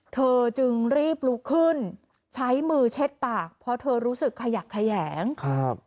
เธอจึงรีบลุกขึ้นใช้มือเช็ดปากเพราะเธอรู้สึกขยักแขยงครับ